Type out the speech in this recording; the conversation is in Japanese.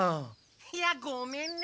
いやごめんね。